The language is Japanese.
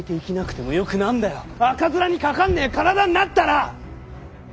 赤面にかかんねえ体になったら！